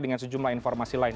dengan sejumlah informasi lain